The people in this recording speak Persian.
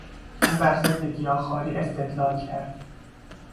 او بر ضد گیاهخواری استدلال کرد.